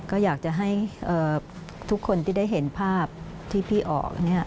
ก็อยากจะให้ทุกคนที่ได้เห็นภาพที่พี่ออก